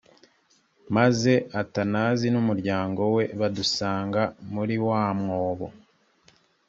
maze athanase n umuryango we badusanga muri wa mwobo